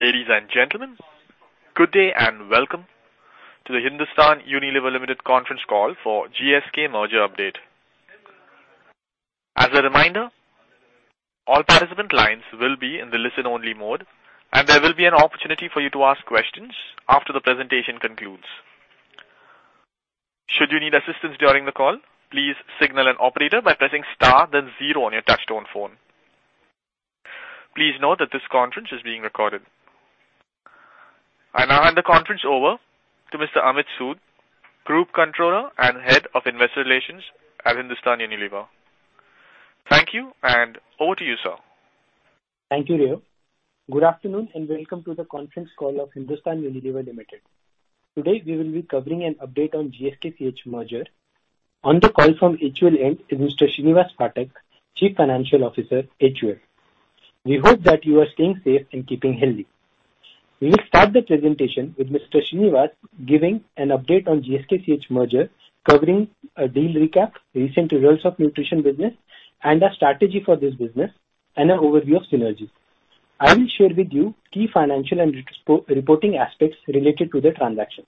Ladies and gentlemen, good day and welcome to the Hindustan Unilever Limited conference call for GSK Merger Update. As a reminder, all participant lines will be in the listen-only mode, and there will be an opportunity for you to ask questions after the presentation concludes. Should you need assistance during the call, please signal an operator by pressing star, then zero on your touch-tone phone. Please note that this conference is being recorded. I now hand the conference over to Mr. Amit Sood, Group Controller and Head of Investor Relations at Hindustan Unilever. Thank you, and over to you, sir. Thank you, [Rio]. Good afternoon and welcome to the conference call of Hindustan Unilever Limited. Today, we will be covering an update on GSK-CH merger. On the call from HUL end is Mr. Srinivas Phatak, Chief Financial Officer, HUL. We hope that you are staying safe and keeping healthy. We will start the presentation with Mr. Srinivas giving an update on GSK-CH merger, covering a deal recap, recent results of Nutrition business, and a strategy for this business, and an overview of synergies. I will share with you key financial and reporting aspects related to the transaction.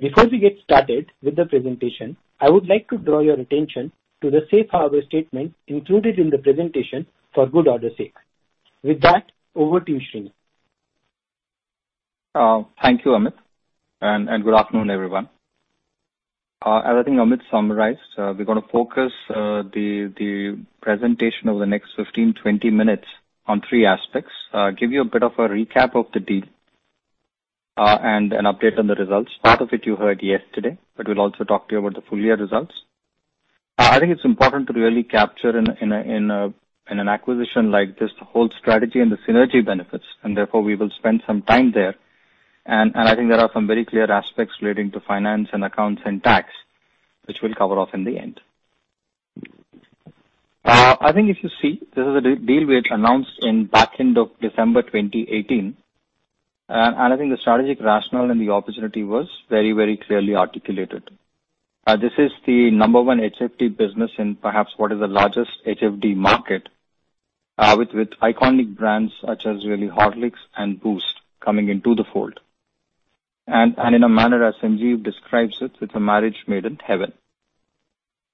Before we get started with the presentation, I would like to draw your attention to the safe harbor statement included in the presentation for good order's sake. With that, over to you, Srini. Thank you, Amit, and good afternoon, everyone. Everything Amit summarized, we're going to focus the presentation over the next 15-20 minutes on three aspects. I'll give you a bit of a recap of the deal and an update on the results. Part of it you heard yesterday, but we'll also talk to you about the full year results. I think it's important to really capture in an acquisition like this the whole strategy and the synergy benefits, and therefore we will spend some time there. And I think there are some very clear aspects relating to finance and accounts and tax, which we'll cover off in the end. I think if you see, this is a deal we announced back in December 2018, and I think the strategic rationale and the opportunity was very, very clearly articulated. This is the number one HFD business in perhaps what is the largest HFD market, with iconic brands such as really Horlicks and Boost coming into the fold. And in a manner as Sanjiv describes it, it's a marriage made in heaven.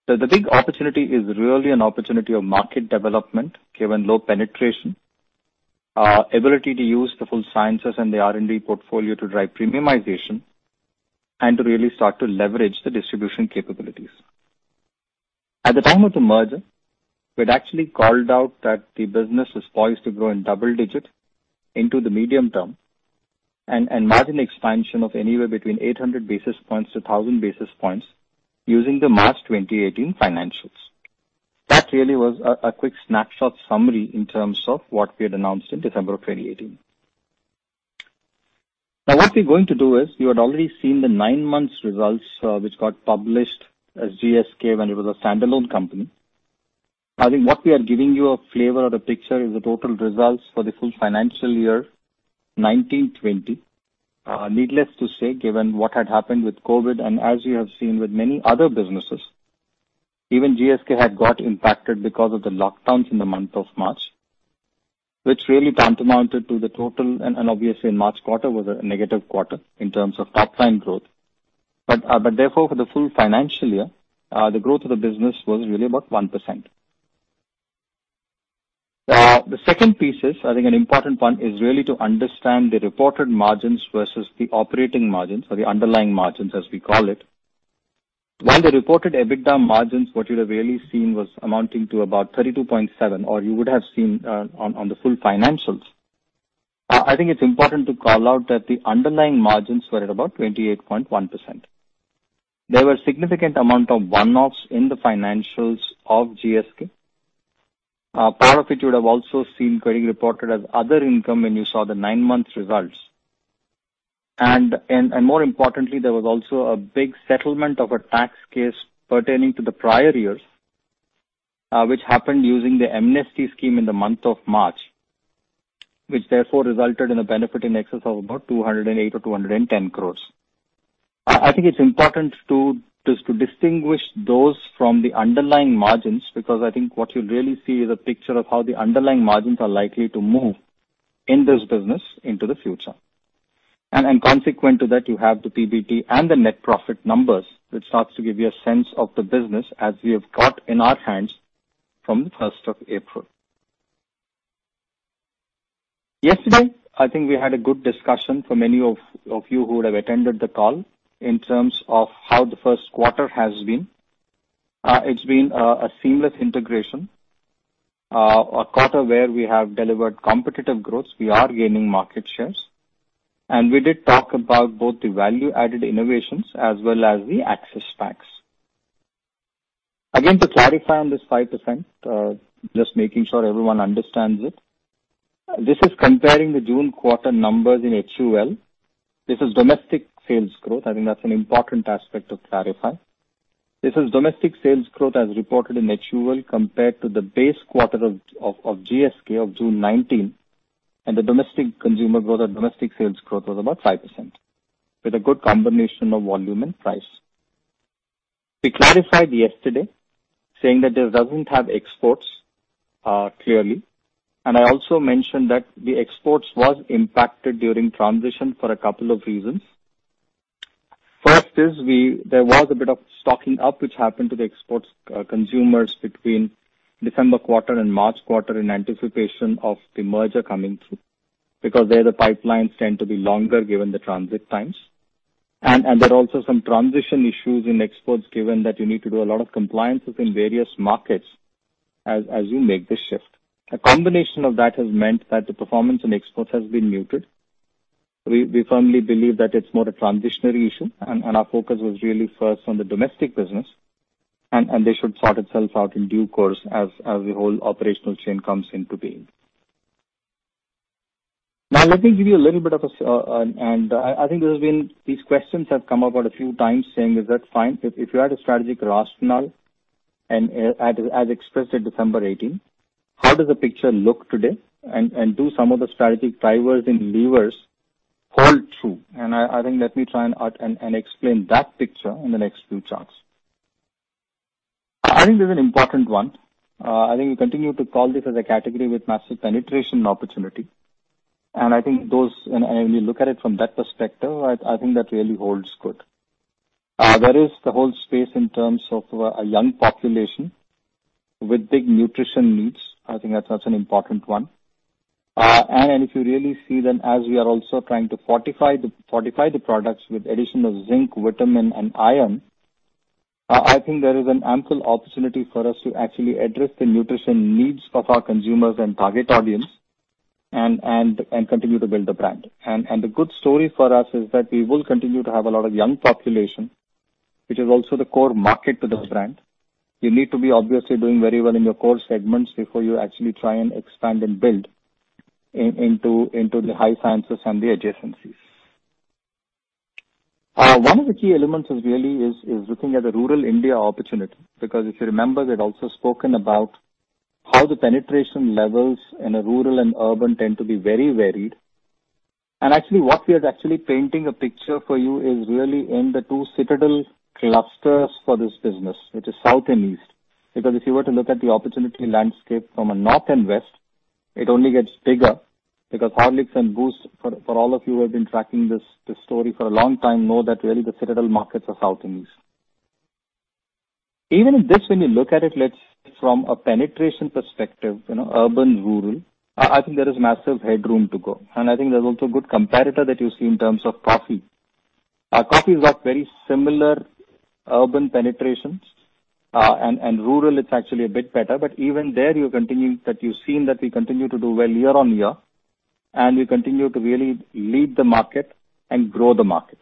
So the big opportunity is really an opportunity of market development given low penetration, ability to use the full sciences and the R&D portfolio to drive premiumization, and to really start to leverage the distribution capabilities. At the time of the merger, we had actually called out that the business was poised to grow in double digit into the medium term and margin expansion of anywhere between 800 basis points to 1,000 basis points using the FY 2018 financials. That really was a quick snapshot summary in terms of what we had announced in December of 2018. Now, what we're going to do is you had already seen the nine months results which got published as GSK when it was a standalone company. I think what we are giving you a flavor of the picture is the total results for the full financial year 2019-20. Needless to say, given what had happened with COVID and as you have seen with many other businesses, even GSK had got impacted because of the lockdowns in the month of March, which really amounted to the total, and obviously in March quarter was a negative quarter in terms of top-line growth. But therefore, for the full financial year, the growth of the business was really about 1%. The second piece is, I think an important one is really to understand the reported margins versus the operating margins or the underlying margins as we call it. While the reported EBITDA margins, what you had really seen was amounting to about 32.7%, or you would have seen on the full financials. I think it's important to call out that the underlying margins were at about 28.1%. There were a significant amount of one-offs in the financials of GSK. Part of it you would have also seen reported as other income when you saw the nine months results. And more importantly, there was also a big settlement of a tax case pertaining to the prior years, which happened using the amnesty scheme in the month of March, which therefore resulted in a benefit in excess of about 208 crore or 210 crore. I think it's important to distinguish those from the underlying margins because I think what you really see is a picture of how the underlying margins are likely to move in this business into the future. And, consequent to that, you have the PBT and the net profit numbers, which starts to give you a sense of the business as we have got in our hands from the 1st of April. Yesterday, I think we had a good discussion for many of you who have attended the call in terms of how the first quarter has been. It's been a seamless integration, a quarter where we have delivered competitive growth. We are gaining market shares. And we did talk about both the value-added innovations as well as the access packs. Again, to clarify on this 5%, just making sure everyone understands it. This is comparing the June quarter numbers in HUL. This is domestic sales growth. I think that's an important aspect to clarify. This is domestic sales growth as reported in HUL compared to the base quarter of GSK of June 2019, and the domestic consumer growth or domestic sales growth was about 5% with a good combination of volume and price. We clarified yesterday saying that this doesn't have exports clearly. And I also mentioned that the exports were impacted during transition for a couple of reasons. First is there was a bit of stocking up which happened to the exports consumers between December quarter and March quarter in anticipation of the merger coming through because there the pipelines tend to be longer given the transit times. And there are also some transition issues in exports given that you need to do a lot of compliances in various markets as you make the shift. A combination of that has meant that the performance in exports has been muted. We firmly believe that it's more a transitory issue, and our focus was really first on the domestic business, and they should sort itself out in due course as the whole operational chain comes into being. Now, let me give you a little bit of a, and I think these questions have come up quite a few times saying, "Is that fine? If you had a strategic rationale as expressed at December 18, how does the picture look today?" And do some of the strategic drivers and levers hold true? I think let me try and explain that picture in the next few charts. I think there's an important one. I think we continue to call this as a category with massive penetration opportunity. And I think those, and when you look at it from that perspective, I think that really holds good. There is the whole space in terms of a young population with big nutrition needs. I think that's an important one, and if you really see them, as we are also trying to fortify the products with addition of zinc, vitamin, and iron, I think there is an ample opportunity for us to actually address the nutrition needs of our consumers and target audience and continue to build the brand. And the good story for us is that we will continue to have a lot of young population, which is also the core market to the brand. You need to be obviously doing very well in your core segments before you actually try and expand and build into the high sciences and the adjacencies. One of the key elements is really looking at the rural India opportunity because if you remember, we had also spoken about how the penetration levels in rural and urban tend to be very varied. And actually, what we are actually painting a picture for you is really in the two citadel clusters for this business, which is South and East. Because if you were to look at the opportunity landscape from a North and West, it only gets bigger because Horlicks and Boost, for all of you who have been tracking this story for a long time, know that really the citadel markets are South and East. Even in this, when you look at it, let's say from a penetration perspective, urban-rural, I think there is massive headroom to go. And I think there's also a good competitor that you see in terms of coffee. Coffee's got very similar urban penetrations, and rural, it's actually a bit better, but even there, you're continuing that you've seen that we continue to do well year on year, and we continue to really lead the market and grow the market,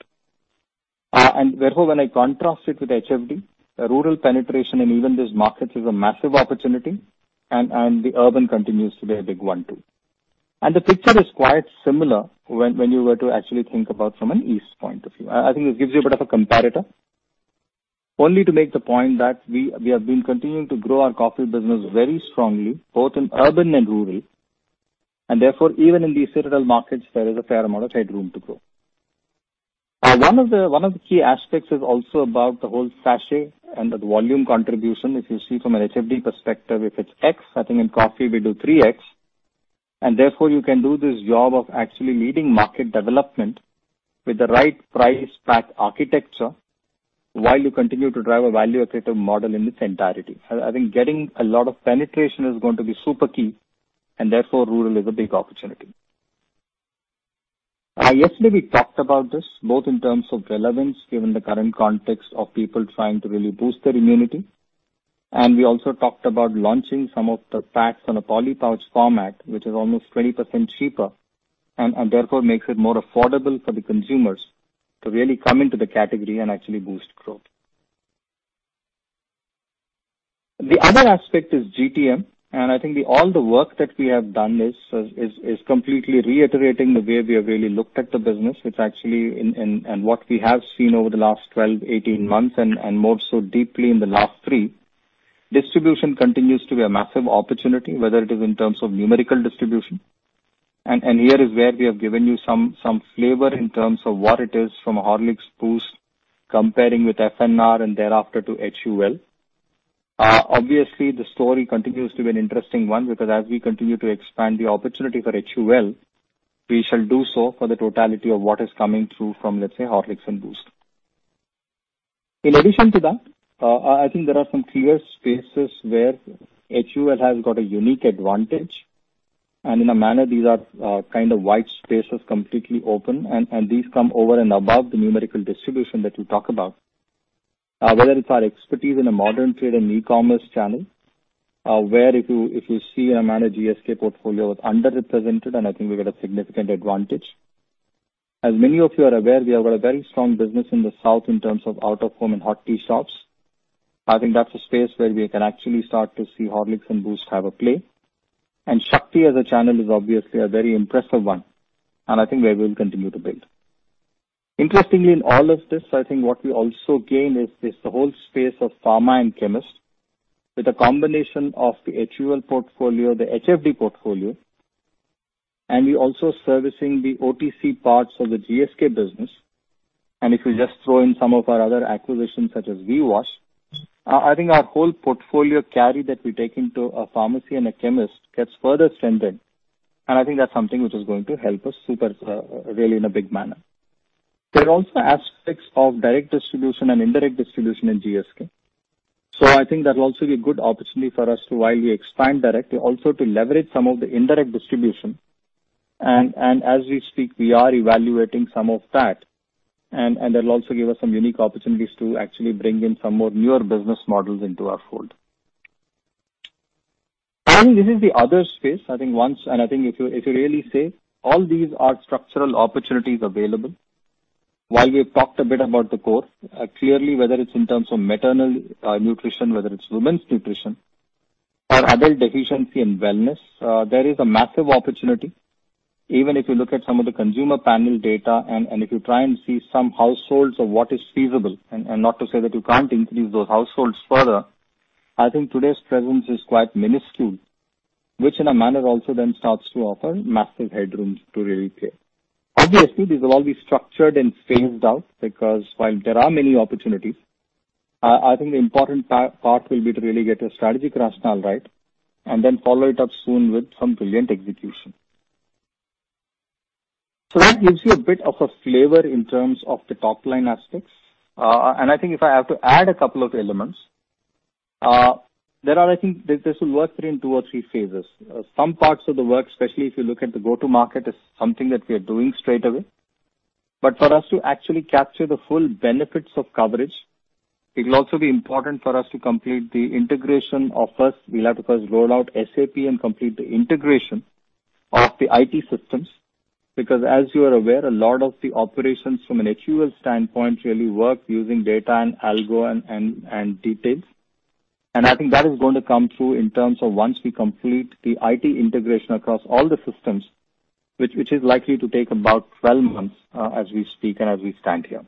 and therefore, when I contrast it with HFD, the rural penetration in even these markets is a massive opportunity, and the urban continues to be a big one too, and the picture is quite similar when you were to actually think about from an East India point of view. I think this gives you a bit of a comparator, only to make the point that we have been continuing to grow our coffee business very strongly, both in urban and rural, and therefore, even in these citadel markets, there is a fair amount of headroom to grow. One of the key aspects is also about the whole sachet and the volume contribution. If you see from an HFD perspective, if it's x, I think in coffee we do 3x. Therefore, you can do this job of actually leading market development with the right price pack architecture while you continue to drive a value-accretive model in its entirety. I think getting a lot of penetration is going to be super key, and therefore, rural is a big opportunity. Yesterday, we talked about this both in terms of relevance given the current context of people trying to really boost their immunity. We also talked about launching some of the packs on a poly pouch format, which is almost 20% cheaper and therefore makes it more affordable for the consumers to really come into the category and actually boost growth. The other aspect is GTM. And I think all the work that we have done is completely reiterating the way we have really looked at the business, which actually, and what we have seen over the last 12-18 months, and more so deeply in the last three, distribution continues to be a massive opportunity, whether it is in terms of numerical distribution. And here is where we have given you some flavor in terms of what it is from Horlicks, Boost, comparing with F&R, and thereafter to HUL. Obviously, the story continues to be an interesting one because as we continue to expand the opportunity for HUL, we shall do so for the totality of what is coming through from, let's say, Horlicks and Boost. In addition to that, I think there are some clear spaces where HUL has got a unique advantage. In a manner, these are kind of white spaces completely open, and these come over and above the numerical distribution that you talk about. Whether it's our expertise in a modern trade and e-commerce channel, where if you see in a manner GSK portfolio was underrepresented, and I think we've got a significant advantage. As many of you are aware, we have got a very strong business in the South in terms of out-of-home and hot tea shops. I think that's a space where we can actually start to see Horlicks and Boost have a play. Shakti as a channel is obviously a very impressive one, and I think we will continue to build. Interestingly, in all of this, I think what we also gain is the whole space of pharma and chemist with a combination of the HUL portfolio, the HFD portfolio, and we also servicing the OTC parts of the GSK business, and if you just throw in some of our other acquisitions such as VWash, I think our whole portfolio carry that we take into a pharmacy and a chemist gets further strengthened, and I think that's something which is going to help us super really in a big manner, there are also aspects of direct distribution and indirect distribution in GSK, so I think that'll also be a good opportunity for us to, while we expand directly, also to leverage some of the indirect distribution. As we speak, we are evaluating some of that, and that'll also give us some unique opportunities to actually bring in some more newer business models into our fold. I think this is the other space. I think once, and I think if you really see, all these are structural opportunities available. While we've talked a bit about the core, clearly, whether it's in terms of maternal nutrition, whether it's women's nutrition, or other deficiency and wellness, there is a massive opportunity. Even if you look at some of the consumer panel data, and if you try and see some households of what is feasible, and not to say that you can't increase those households further, I think today's presence is quite minuscule, which in a manner also then starts to offer massive headroom to really play. Obviously, these have all been structured and phased out because while there are many opportunities, I think the important part will be to really get a strategic rationale right and then follow it up soon with some brilliant execution. So that gives you a bit of a flavor in terms of the top-line aspects. I think if I have to add a couple of elements, there are. I think this will work in two or three phases. Some parts of the work, especially if you look at the go-to-market, is something that we are doing straight away. But for us to actually capture the full benefits of coverage, it will also be important for us to complete the integration of first. We'll have to first roll out SAP and complete the integration of the IT systems because, as you are aware, a lot of the operations from an HUL standpoint really work using data and algo and details. And I think that is going to come through in terms of once we complete the IT integration across all the systems, which is likely to take about 12 months as we speak and as we stand here.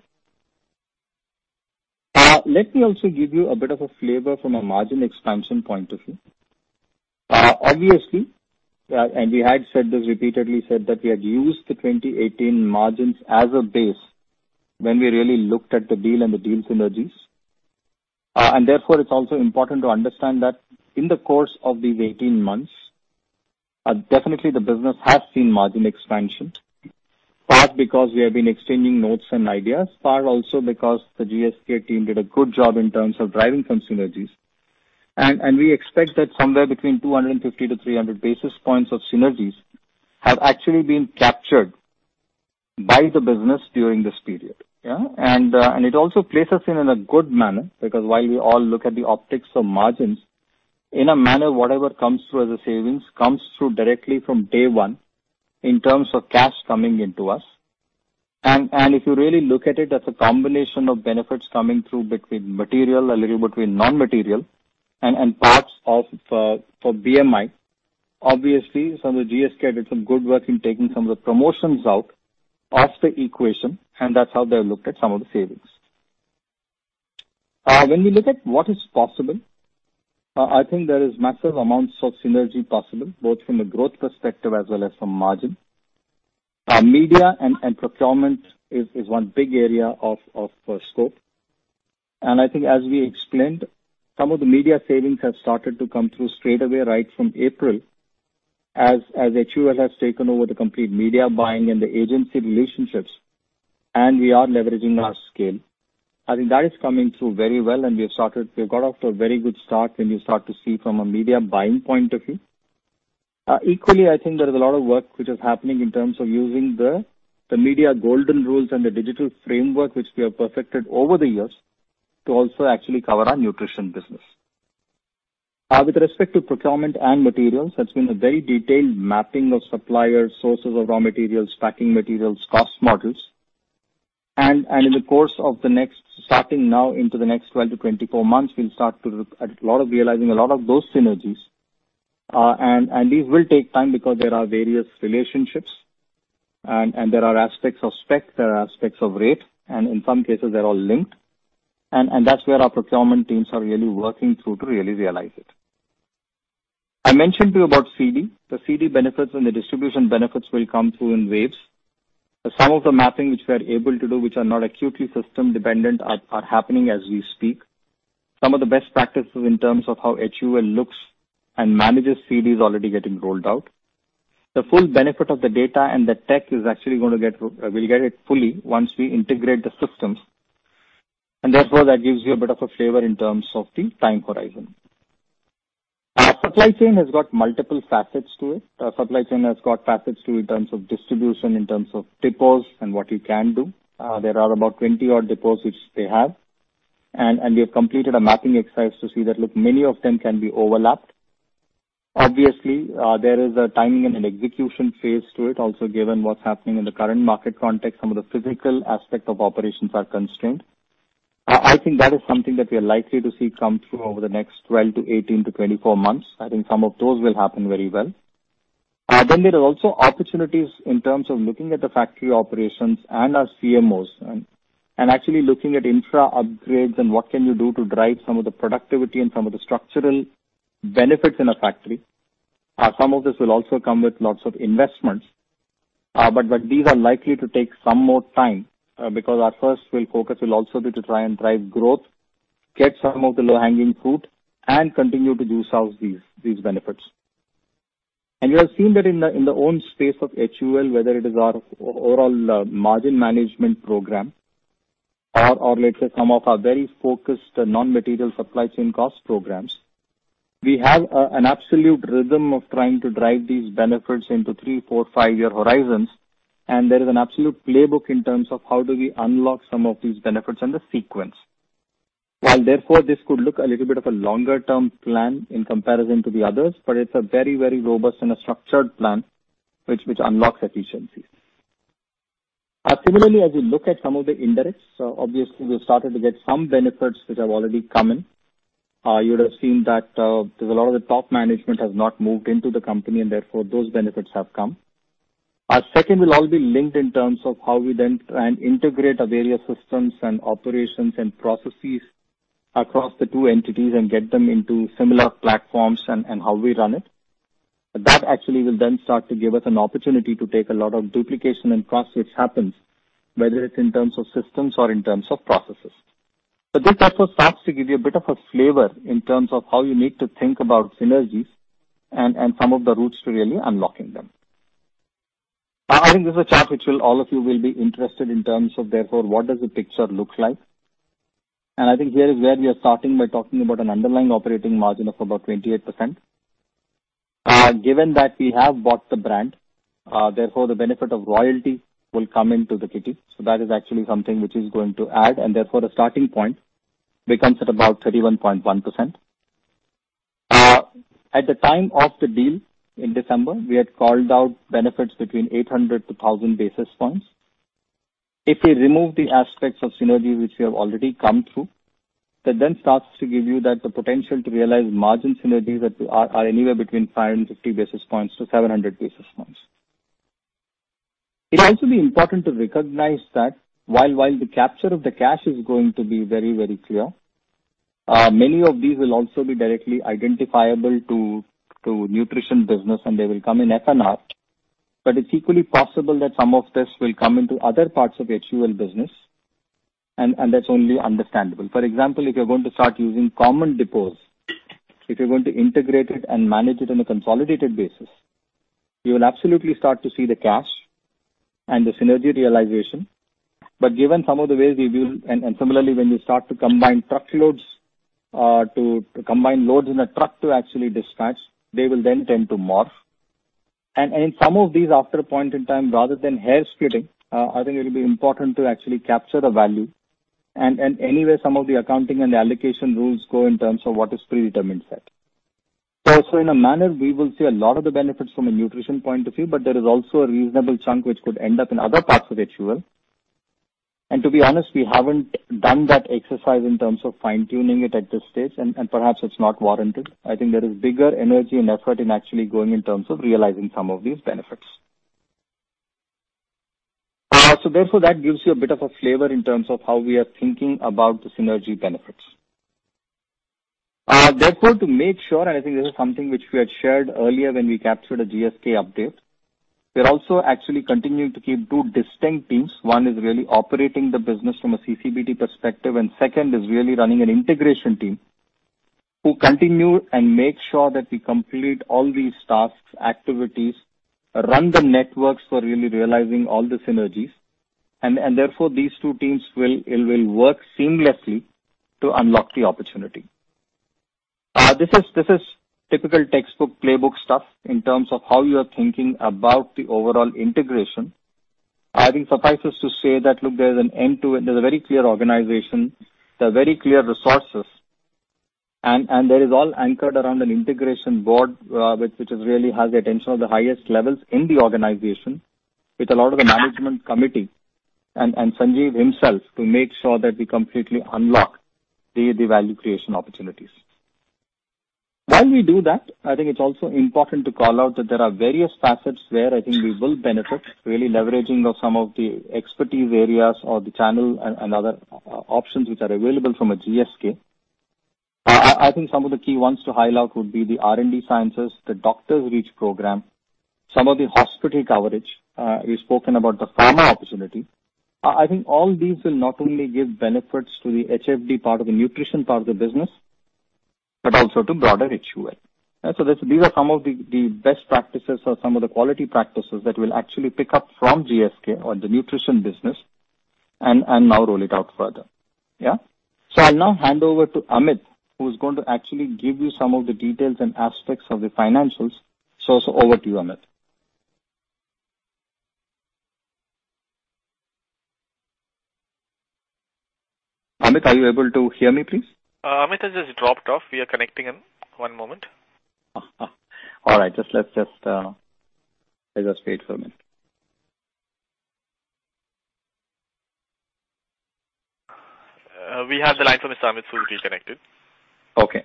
Let me also give you a bit of a flavor from a margin expansion point of view. Obviously, and we had said this repeatedly, said that we had used the 2018 margins as a base when we really looked at the deal and the deal synergies. Therefore, it's also important to understand that in the course of these 18 months, definitely the business has seen margin expansion, part because we have been exchanging notes and ideas, part also because the GSK team did a good job in terms of driving some synergies, and we expect that somewhere between 250 and 300 basis points of synergies have actually been captured by the business during this period, and it also places in a good manner because while we all look at the optics of margins, in a manner, whatever comes through as a savings comes through directly from day one in terms of cash coming into us. If you really look at it as a combination of benefits coming through between material, a little bit between non-material, and parts of for BMI, obviously, some of the GSK did some good work in taking some of the promotions out of the equation, and that's how they've looked at some of the savings. When we look at what is possible, I think there is massive amounts of synergy possible, both from a growth perspective as well as from margin. Media and procurement is one big area of scope. I think as we explained, some of the media savings have started to come through straight away right from April as HUL has taken over the complete media buying and the agency relationships, and we are leveraging our scale. I think that is coming through very well, and we've got off to a very good start when you start to see from a media buying point of view. Equally, I think there is a lot of work which is happening in terms of using the media golden rules and the digital framework which we have perfected over the years to also actually cover our Nutrition business. With respect to procurement and materials, that's been a very detailed mapping of suppliers, sources of raw materials, packing materials, cost models. And in the course of the next, starting now into the next 12-24 months, we'll start to realize a lot of those synergies. And these will take time because there are various relationships, and there are aspects of spec, there are aspects of rate, and in some cases, they're all linked. That's where our procurement teams are really working through to really realize it. I mentioned to you about CD. The CD benefits and the distribution benefits will come through in waves. Some of the mapping which we are able to do, which are not acutely system-dependent, are happening as we speak. Some of the best practices in terms of how HUL looks and manages CD is already getting rolled out. The full benefit of the data and the tech is actually we'll get it fully once we integrate the systems. Therefore, that gives you a bit of a flavor in terms of the time horizon. Supply chain has got multiple facets to it. Supply chain has got facets too in terms of distribution, in terms of depots and what you can do. There are about 20 odd depots which they have. We have completed a mapping exercise to see that many of them can be overlapped. Obviously, there is a timing and an execution phase to it, also given what's happening in the current market context. Some of the physical aspects of operations are constrained. I think that is something that we are likely to see come through over the next 12 to 18 to 24 months. I think some of those will happen very well. Then there are also opportunities in terms of looking at the factory operations and our CMOs and actually looking at infra upgrades and what can you do to drive some of the productivity and some of the structural benefits in a factory. Some of this will also come with lots of investments. But these are likely to take some more time because our first focus will also be to try and drive growth, get some of the low-hanging fruit, and continue to do some of these benefits. And you have seen that in the own space of HUL, whether it is our overall margin management program or, let's say, some of our very focused non-material supply chain cost programs. We have an absolute rhythm of trying to drive these benefits into three, four, five-year horizons. And there is an absolute playbook in terms of how do we unlock some of these benefits and the sequence. While therefore, this could look a little bit of a longer-term plan in comparison to the others, but it's a very, very robust and a structured plan which unlocks efficiencies. Similarly, as we look at some of the indirects, obviously, we've started to get some benefits which have already come in. You would have seen that there's a lot of the top management has not moved into the company, and therefore, those benefits have come. Our second will all be linked in terms of how we then try and integrate our various systems and operations and processes across the two entities and get them into similar platforms and how we run it. That actually will then start to give us an opportunity to take a lot of duplication and costs which happens, whether it's in terms of systems or in terms of processes. But this therefore starts to give you a bit of a flavor in terms of how you need to think about synergies and some of the routes to really unlocking them. I think this is a chart which all of you will be interested in terms of therefore what does the picture look like, and I think here is where we are starting by talking about an underlying operating margin of about 28%. Given that we have bought the brand, therefore, the benefit of royalty will come into the kitty, so that is actually something which is going to add, and therefore, the starting point becomes at about 31.1%. At the time of the deal in December, we had called out benefits between 800 and 1,000 basis points. If we remove the aspects of synergy which we have already come through, that then starts to give you the potential to realize margin synergies that are anywhere between 550 and 700 basis points. It will also be important to recognize that while the capture of the cash is going to be very, very clear, many of these will also be directly identifiable to Nutrition business, and they will come in F&R. But it's equally possible that some of this will come into other parts of HUL business, and that's only understandable. For example, if you're going to start using common depots, if you're going to integrate it and manage it on a consolidated basis, you will absolutely start to see the cash and the synergy realization. But given some of the ways we will, and similarly, when you start to combine truckloads to combine loads in a truck to actually dispatch, they will then tend to morph, and in some of these, after a point in time, rather than hair splitting, I think it will be important to actually capture the value. And anyway, some of the accounting and the allocation rules go in terms of what is predetermined set. So in a manner, we will see a lot of the benefits from a nutrition point of view, but there is also a reasonable chunk which could end up in other parts of HUL. And to be honest, we haven't done that exercise in terms of fine-tuning it at this stage, and perhaps it's not warranted. I think there is bigger energy and effort in actually going in terms of realizing some of these benefits. So therefore, that gives you a bit of a flavor in terms of how we are thinking about the synergy benefits. Therefore, to make sure, and I think this is something which we had shared earlier when we captured a GSK update, we're also actually continuing to keep two distinct teams. One is really operating the business from a CCBT perspective, and second is really running an integration team who continue and make sure that we complete all these tasks, activities, run the networks for really realizing all the synergies, and therefore, these two teams will work seamlessly to unlock the opportunity. This is typical textbook playbook stuff in terms of how you are thinking about the overall integration. I think suffices to say that, look, there's an end to it. There's a very clear organization, there are very clear resources, and there is all anchored around an integration Board which really has the attention of the highest levels in the organization with a lot of the management committee and Sanjiv himself to make sure that we completely unlock the value creation opportunities. While we do that, I think it's also important to call out that there are various facets where I think we will benefit really leveraging some of the expertise areas or the channel and other options which are available from a GSK. I think some of the key ones to highlight would be the R&D sciences, the doctors' reach program, some of the hospital coverage. We've spoken about the pharma opportunity. I think all these will not only give benefits to the HFD part of the Nutrition part of the business, but also to broader HUL. So these are some of the best practices or some of the quality practices that will actually pick up from GSK or the Nutrition business and now roll it out further. Yeah? So I'll now hand over to Amit, who's going to actually give you some of the details and aspects of the financials. So over to you, Amit. Amit, are you able to hear me, please? Amit has just dropped off. We are connecting him. One moment. All right. Just let's wait for a minute. We have the line from Mr. Amit fully reconnected. Okay.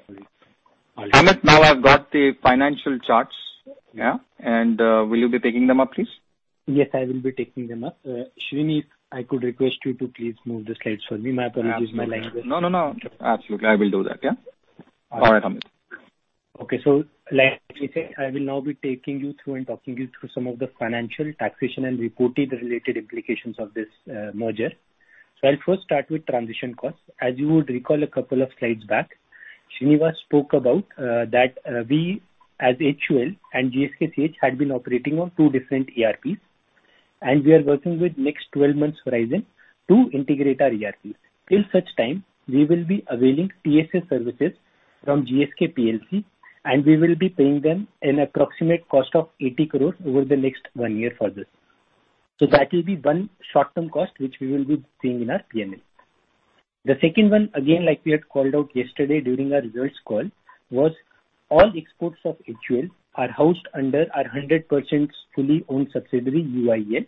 Amit, now I've got the financial charts. Yeah? And will you be taking them up, please? Yes, I will be taking them up. Srini, I could request you to please move the slides for me. My apologies. My line dropped. No, no, no. Absolutely. I will do that. Yeah? All right, Amit. Okay. So like you said, I will now be taking you through and talking you through some of the financial, taxation, and reporting-related implications of this merger. So I'll first start with transition costs. As you would recall a couple of slides back, Srinivas spoke about that we as HUL and GSK-CH had been operating on two different ERPs, and we are working with next 12 months' horizon to integrate our ERPs. In such time, we will be availing TSA services from GSK PLC, and we will be paying them an approximate cost of 80 crore over the next one year for this. So that will be one short-term cost which we will be seeing in our P&L. The second one, again, like we had called out yesterday during our results call, was all exports of HUL are housed under our 100% fully-owned subsidiary UIEL.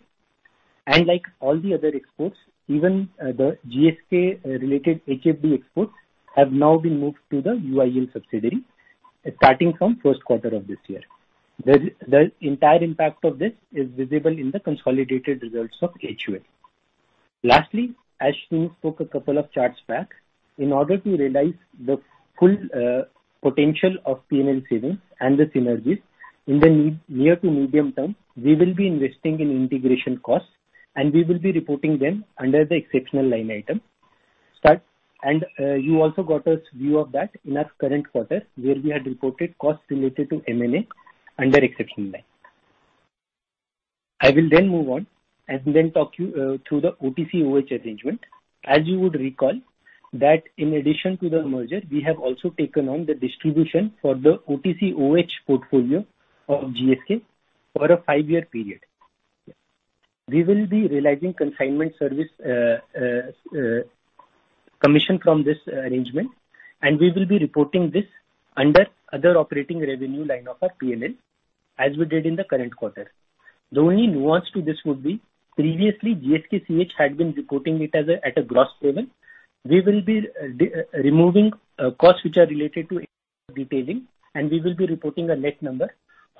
And like all the other exports, even the GSK-related HFD exports have now been moved to the UIEL subsidiary starting from first quarter of this year. The entire impact of this is visible in the consolidated results of HUL. Lastly, as Srini spoke a couple of charts back, in order to realize the full potential of P&L savings and the synergies in the near to medium term, we will be investing in integration costs, and we will be reporting them under the exceptional line item, and you also got a view of that in our current quarter where we had reported costs related to M&A under exceptional line. I will then move on and then talk you through the OTC/OH arrangement. As you would recall, that in addition to the merger, we have also taken on the distribution for the OTC /OH portfolio of GSK for a five-year period. We will be realizing consignment service commission from this arrangement, and we will be reporting this under other operating revenue line of our P&L as we did in the current quarter. The only nuance to this would be previously GSK-CH had been reporting it at a gross payment. We will be removing costs which are related to detailing, and we will be reporting a net number.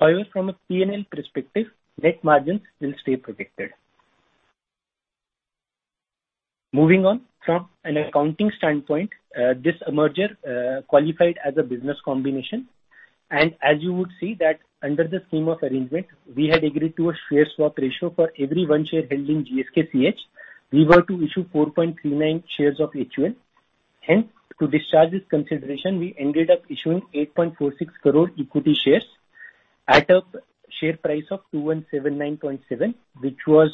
However, from a P&L perspective, net margins will stay protected. Moving on, from an accounting standpoint, this merger qualified as a business combination. And as you would see that under the scheme of arrangement, we had agreed to a share swap ratio for every one share held in GSK-CH. We were to issue 4.39 shares of HUL. Hence, to discharge this consideration, we ended up issuing 8.46 crore equity shares at a share price of 2,179.7, which was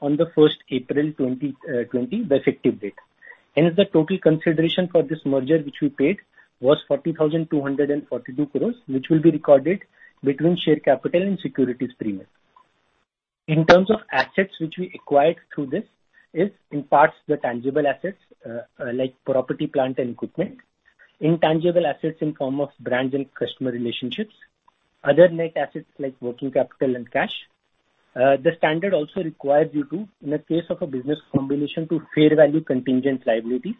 on the 1st April 2020, the effective date. Hence, the total consideration for this merger which we paid was 40,242 crore, which will be recorded between share capital and securities premium. In terms of assets which we acquired through this, in parts, the tangible assets like property, plant, and equipment, intangible assets in form of brands and customer relationships, other net assets like working capital and cash. The standard also requires you to, in the case of a business combination, fair value contingent liabilities.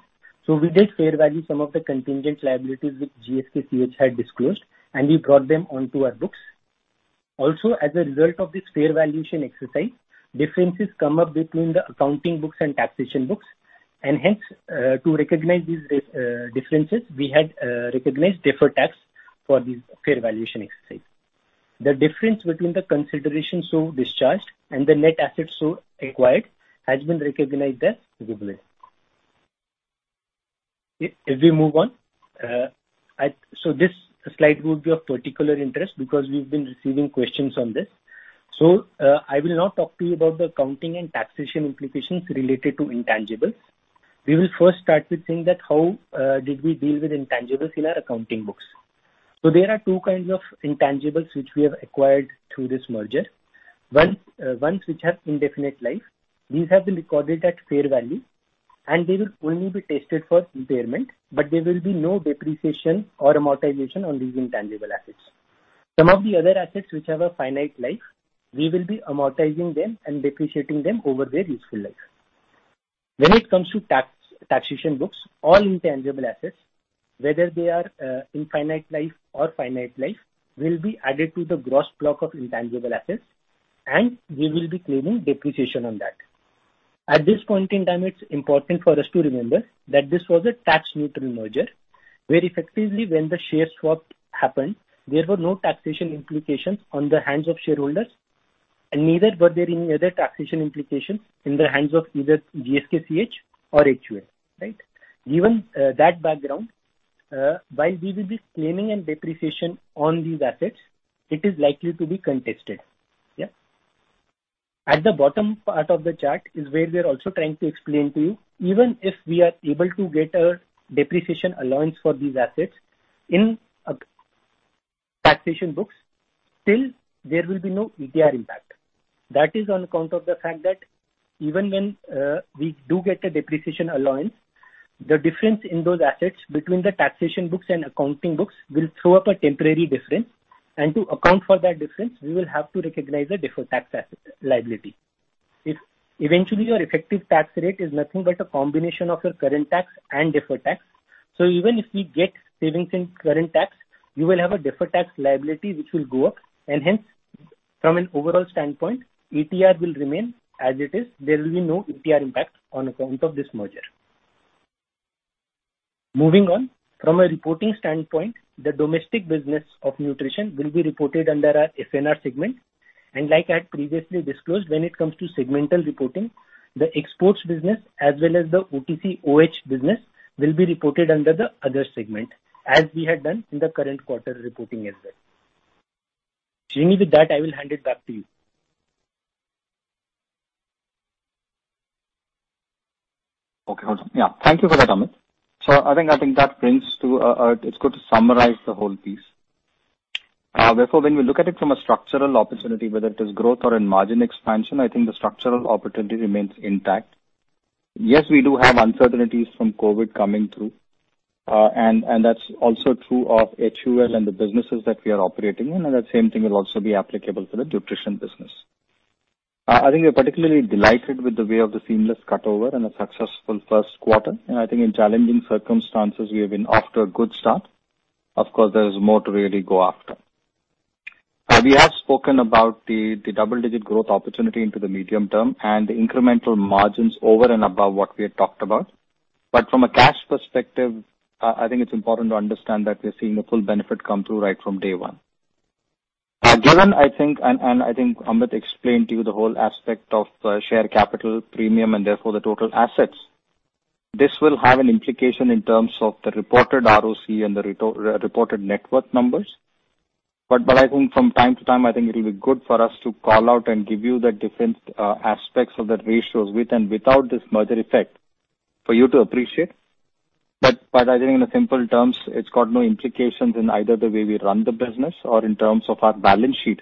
So we did fair value some of the contingent liabilities which GSK-CH had disclosed, and we brought them onto our books. Also, as a result of this fair valuation exercise, differences come up between the accounting books and taxation books. Hence, to recognize these differences, we had recognized deferred tax for this fair valuation exercise. The difference between the consideration so discharged and the net assets so acquired has been recognized as goodwill. If we move on, so this slide would be of particular interest because we've been receiving questions on this. I will not talk to you about the accounting and taxation implications related to intangibles. We will first start with saying that how did we deal with intangibles in our accounting books. There are two kinds of intangibles which we have acquired through this merger. Ones which have indefinite life, these have been recorded at fair value, and they will only be tested for impairment, but there will be no depreciation or amortization on these intangible assets. Some of the other assets which have a finite life, we will be amortizing them and depreciating them over their useful life. When it comes to taxation books, all intangible assets, whether they are indefinite life or finite life, will be added to the gross block of intangible assets, and we will be claiming depreciation on that. At this point in time, it's important for us to remember that this was a tax-neutral merger where effectively when the share swap happened, there were no taxation implications in the hands of shareholders, and neither were there any other taxation implications in the hands of either GS-CH or HUL. Right? Given that background, while we will be claiming and depreciating on these assets, it is likely to be contested. Yeah? At the bottom part of the chart is where we are also trying to explain to you, even if we are able to get a depreciation allowance for these assets in taxation books, still there will be no ETR impact. That is on account of the fact that even when we do get a depreciation allowance, the difference in those assets between the taxation books and accounting books will throw up a temporary difference, and to account for that difference, we will have to recognize a deferred tax liability. Eventually, your effective tax rate is nothing but a combination of your current tax and deferred tax. So even if we get savings in current tax, you will have a deferred tax liability which will go up, and hence, from an overall standpoint, ETR will remain as it is. There will be no ETR impact on account of this merger. Moving on, from a reporting standpoint, the domestic business of Nutrition will be reported under our F&R segment. And like I had previously disclosed, when it comes to segmental reporting, the exports business as well as the OTC/OH business will be reported under the other segment, as we had done in the current quarter reporting as well. Srini, with that, I will hand it back to you. Okay. Yeah. Thank you for that, Amit. So I think that brings to a. It's good to summarize the whole piece. Therefore, when we look at it from a structural opportunity, whether it is growth or in margin expansion, I think the structural opportunity remains intact. Yes, we do have uncertainties from COVID coming through, and that's also true of HUL and the businesses that we are operating in, and that same thing will also be applicable for the Nutrition business. I think we're particularly delighted with the way of the seamless cutover and the successful first quarter. I think in challenging circumstances, we have been off to a good start. Of course, there is more to really go after. We have spoken about the double-digit growth opportunity into the medium term and the incremental margins over and above what we had talked about. But from a cash perspective, I think it's important to understand that we're seeing the full benefit come through right from day one. Given, I think, and I think Amit explained to you the whole aspect of the share capital premium and therefore the total assets, this will have an implication in terms of the reported ROC and the reported net worth numbers. But I think from time to time, I think it will be good for us to call out and give you the different aspects of the ratios with and without this merger effect for you to appreciate. But I think in simple terms, it's got no implications in either the way we run the business or in terms of our balance sheet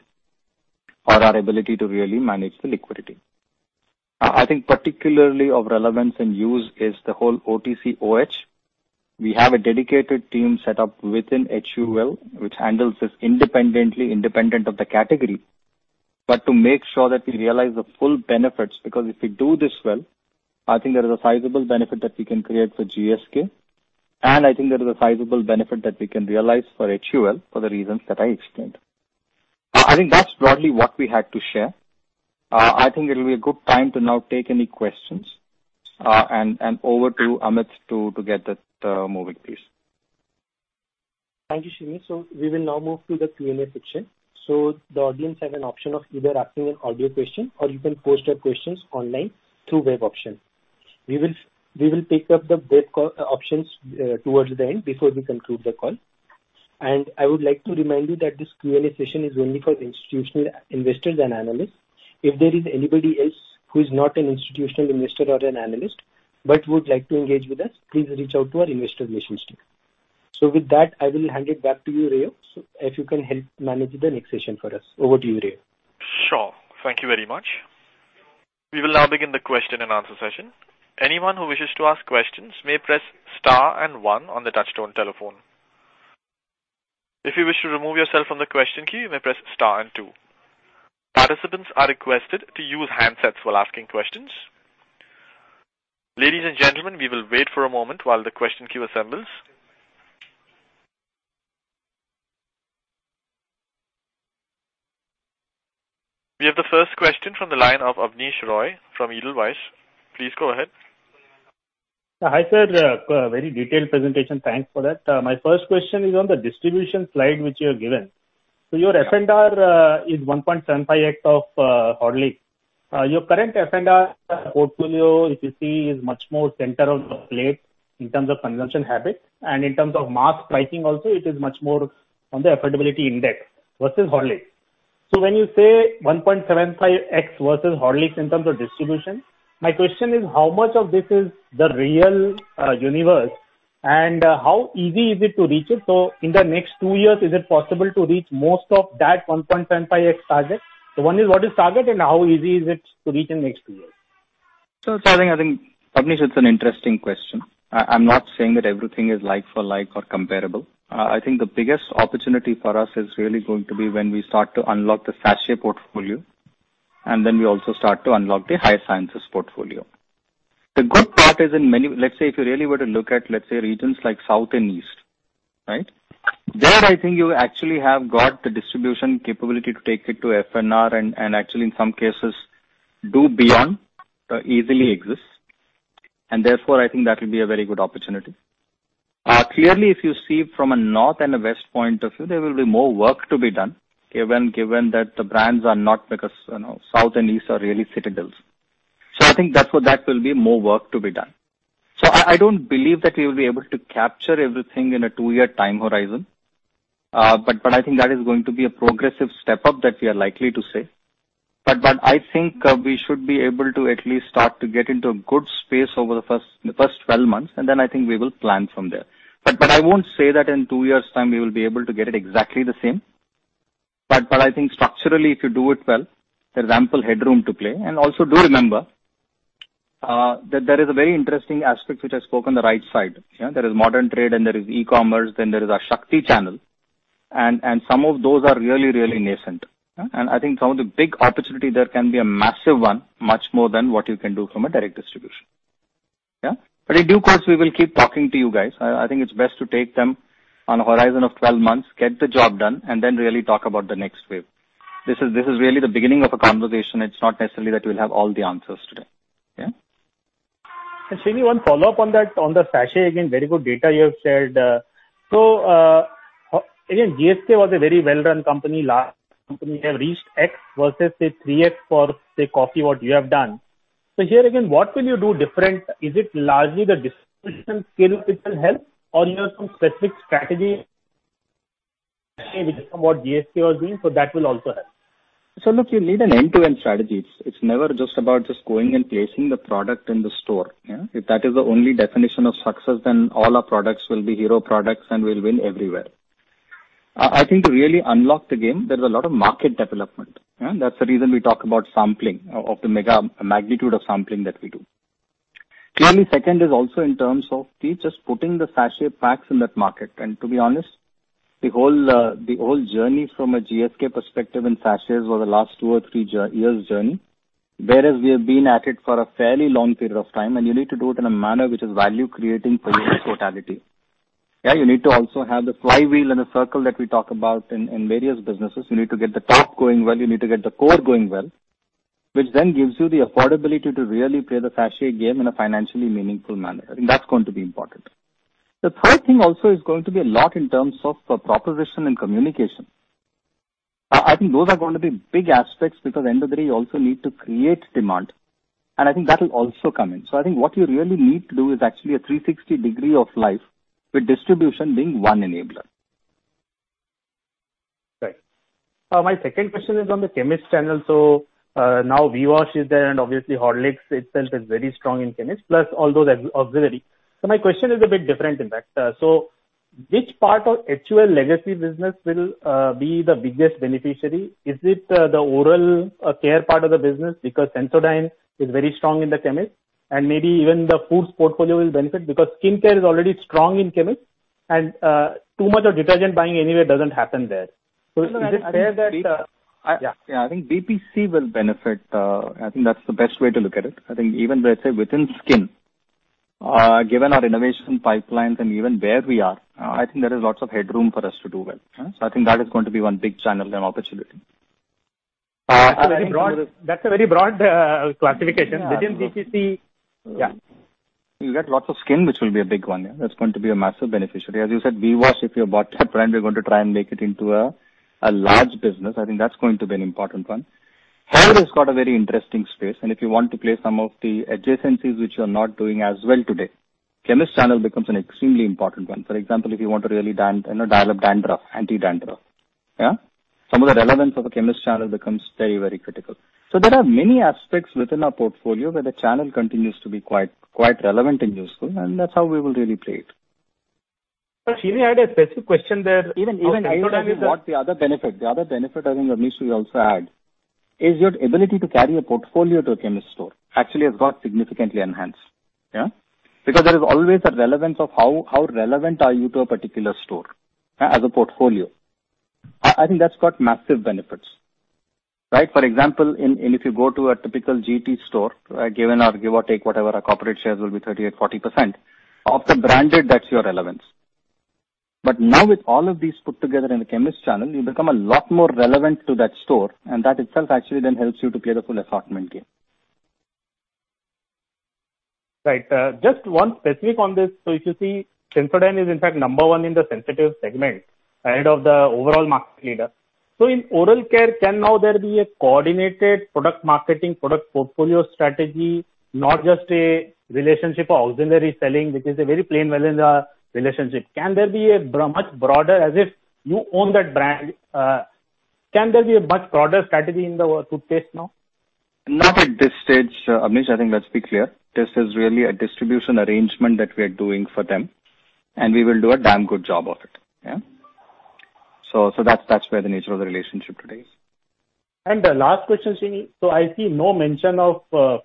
or our ability to really manage the liquidity. I think particularly of relevance and use is the whole OTC/OH. We have a dedicated team set up within HUL which handles this independently, independent of the category, but to make sure that we realize the full benefits because if we do this well, I think there is a sizable benefit that we can create for GSK, and I think there is a sizable benefit that we can realize for HUL for the reasons that I explained. I think that's broadly what we had to share. I think it will be a good time to now take any questions and over to Amit to get the ball rolling. Thank you, Srini. We will now move to the Q&A section. The audience has an option of either asking an audio question or you can post your questions online through web option. We will pick up the web options towards the end before we conclude the call. I would like to remind you that this Q&A session is only for institutional investors and analysts. If there is anybody else who is not an institutional investor or an analyst but would like to engage with us, please reach out to our Investor Relations. With that, I will hand it back to you, Rayo. If you can help manage the next session for us, over to you, Rayo. Sure. Thank you very much. We will now begin the question and answer session. Anyone who wishes to ask questions may press star and one on the touch-tone telephone. If you wish to remove yourself from the question queue, you may press star and two. Participants are requested to use handsets while asking questions. Ladies and gentlemen, we will wait for a moment while the question queue assembles. We have the first question from the line of Abneesh Roy from Edelweiss. Please go ahead. Hi, sir. Very detailed presentation. Thanks for that. My first question is on the distribution slide which you have given. So your F&R is 1.75x of Horlicks. Your current F&R portfolio, if you see, is much more center of the plate in terms of consumption habit. And in terms of mass pricing also, it is much more on the affordability index versus Horlicks. So when you say 1.75x versus Horlicks in terms of distribution, my question is how much of this is the real universe and how easy is it to reach it? So in the next two years, is it possible to reach most of that 1.75x target? So one is what is target and how easy is it to reach in the next two years? I think Abneesh, it's an interesting question. I'm not saying that everything is like for like or comparable. I think the biggest opportunity for us is really going to be when we start to unlock the Sachet portfolio, and then we also start to unlock the Higher Sciences portfolio. The good part is in many, let's say if you really were to look at, let's say, regions like South and East, right? There, I think you actually have got the distribution capability to take it to F&R and actually, in some cases, do beyond. Easily exists. And therefore, I think that will be a very good opportunity. Clearly, if you see from a North and a West point of view, there will be more work to be done given that the brands are not because South and East are really citadels. So I think that's what that will be more work to be done. So I don't believe that we will be able to capture everything in a two-year time horizon, but I think that is going to be a progressive step up that we are likely to say. But I think we should be able to at least start to get into a good space over the first 12 months, and then I think we will plan from there. But I won't say that in two years' time we will be able to get it exactly the same. But I think structurally, if you do it well, there is ample headroom to play. Also do remember that there is a very interesting aspect which I spoke on the right side. There is modern trade, and there is e-commerce, then there is a Shakti channel, and some of those are really, really nascent. And I think some of the big opportunity there can be a massive one, much more than what you can do from a direct distribution. Yeah? But in due course, we will keep talking to you guys. I think it's best to take them on a horizon of 12 months, get the job done, and then really talk about the next wave. This is really the beginning of a conversation. It's not necessarily that we'll have all the answers today. Yeah? And Srini, one follow-up on that, on the sachet again, very good data you have shared. So again, GSK was a very well-run company. Last company had reached x versus say 3x for, say, coffee, what you have done. So here again, what will you do different? Is it largely the distribution skills that will help, or you have some specific strategy which is from what GSK was doing? So that will also help. So look, you need an end-to-end strategy. It's never just about just going and placing the product in the store. If that is the only definition of success, then all our products will be hero products and we'll win everywhere. I think to really unlock the game, there's a lot of market development. That's the reason we talk about sampling of the magnitude of sampling that we do. Clearly, second is also in terms of just putting the sachet packs in that market. To be honest, the whole journey from a GSK perspective in sachet was the last two or three years' journey, whereas we have been at it for a fairly long period of time, and you need to do it in a manner which is value-creating for your totality. Yeah? You need to also have the flywheel and the circle that we talk about in various businesses. You need to get the top going well. You need to get the core going well, which then gives you the affordability to really play the sachet game in a financially meaningful manner. I think that's going to be important. The third thing also is going to be a lot in terms of proposition and communication. I think those are going to be big aspects because end of the day, you also need to create demand, and I think that will also come in. So I think what you really need to do is actually a 360-degree of life with distribution being one enabler. Right. My second question is on the chemist channel. So now VWash is there, and obviously, Horlicks itself is very strong in chemists, plus all those auxiliary. So my question is a bit different in fact. So which part of HUL legacy business will be the biggest beneficiary? Is it the oral care part of the business because Sensodyne is very strong in the chemists, and maybe even the foods portfolio will benefit because skincare is already strong in chemists, and too much of detergent buying anyway doesn't happen there? So is it fair that? Yeah. Yeah. I think BPC will benefit. I think that's the best way to look at it. I think even, let's say, within skin, given our innovation pipelines and even where we are, I think there is lots of headroom for us to do well. So I think that is going to be one big channel and opportunity. That's a very broad classification. Within BPC, yeah. You get lots of skin, which will be a big one. Yeah? That's going to be a massive beneficiary. As you said, VWash, if you bought that brand, we're going to try and make it into a large business. I think that's going to be an important one. Horlicks got a very interesting space, and if you want to play some of the adjacencies which you're not doing as well today, chemist channel becomes an extremely important one. For example, if you want to really dial up dandruff, anti-dandruff, yeah? Some of the relevance of a chemist channel becomes very, very critical. So there are many aspects within our portfolio where the channel continues to be quite relevant and useful, and that's how we will really play it. Srini, I had a specific question there. Even Sensodyne is the other benefit. The other benefit, I think, Aneesh, we also add, is your ability to carry a portfolio to a chemist store actually has got significantly enhanced. Yeah? Because there is always a relevance of how relevant are you to a particular store as a portfolio. I think that's got massive benefits. Right? For example, if you go to a typical GT store, given or give or take whatever, our market shares will be 38%-40% of the branded. That's your relevance. But now with all of these put together in the chemist channel, you become a lot more relevant to that store, and that itself actually then helps you to play the full assortment game. Right. Just one specific on this. So if you see, Sensodyne is in fact number one in the sensitive segment ahead of the overall market leader. So in oral care, can now there be a coordinated product marketing, product portfolio strategy, not just a relationship or auxiliary selling, which is a very playing well in the relationship? Can there be a much broader, as if you own that brand, can there be a much broader strategy in the future now? Not at this stage, Abneesh. I think let's be clear. This is really a distribution arrangement that we are doing for them, and we will do a damn good job of it. Yeah? So that's where the nature of the relationship today is. And the last question, Srini. So I see no mention of